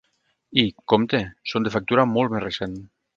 I, compte, són de factura molt més recent.